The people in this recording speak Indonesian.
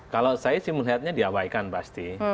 kalau saya simul hatnya diawaikan pasti